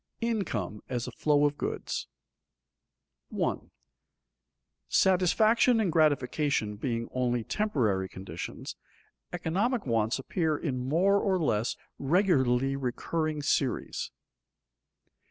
INCOME AS A FLOW OF GOODS [Sidenote: The recurrence of wants] 1. _Satisfaction and gratification being only temporary conditions, economic wants appear in more or less regularly recurring series.